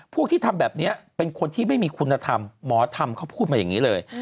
พวกที่ทำแบบนี้เป็นคนที่ไม่มีคุณธรรมหมอธรรมเขาพูดมาอย่างนี้เลย